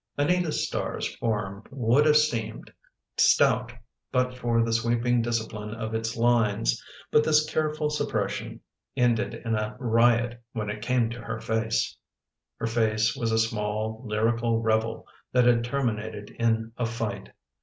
Anita Starr's form would have seemed stout but for the sweeping discipline of its lines, but this careful sup pression ended in a riot when it came to her face. Her face was a small, lyrical revel that had terminated in a fight.